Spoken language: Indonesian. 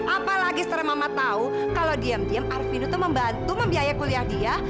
apalagi setelah mama tahu kalau diam diam arvino itu membantu membiaya kuliah dia